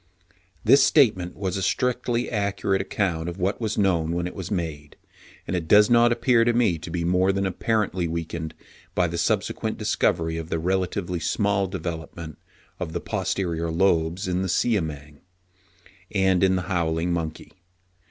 This statement was a strictly accurate account of what was known when it was made; and it does not appear to me to be more than apparently weakened by the subsequent discovery of the relatively small development of the posterior lobes in the Siamang and in the Howling monkey.